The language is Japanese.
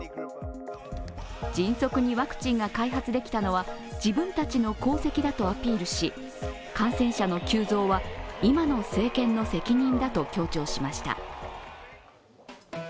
迅速にワクチンが開発できたのは自分たちの功績だとアピールし感染者の急増は今の政権の責任だと強調しました。